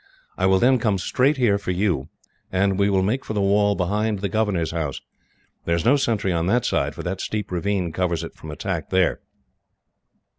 I will then come straight here for you, and we will make for the wall behind the governor's house. There is no sentry on that side, for that steep ravine covers it from attack there.